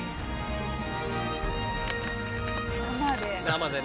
生で。